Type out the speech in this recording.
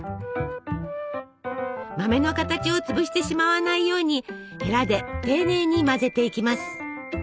豆の形を潰してしまわないようにヘラで丁寧に混ぜていきます。